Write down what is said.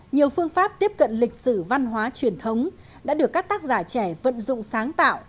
nhiều phương pháp tiếp cận lịch sử văn hóa truyền thống đã được các tác giả trẻ vận dụng sáng tạo